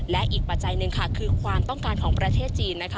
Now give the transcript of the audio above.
และอีกปัจจัยหนึ่งค่ะคือความต้องการของประเทศจีนนะคะ